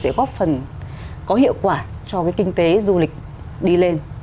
sẽ góp phần có hiệu quả cho cái kinh tế du lịch đi lên